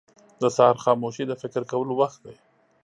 • د سهار خاموشي د فکر کولو وخت دی.